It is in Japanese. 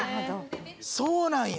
そうなんや。